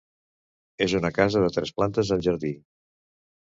És una casa de tres plantes amb jardí.